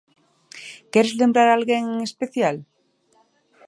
Queres lembrar a alguén en especial?